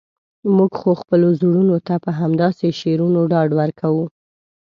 موږ خو خپلو زړونو ته په همداسې شعرونو ډاډ ورکوو.